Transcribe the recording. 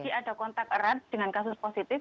jadi ada kontak erat dengan kasus positif